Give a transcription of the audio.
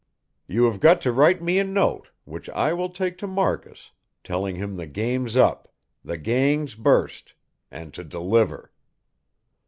"You have got to write me a note, which I will take to Marcus, telling him the game's up, the gang's burst, and to deliver."